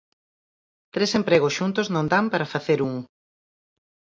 Tres empregos xuntos non dan para facer un.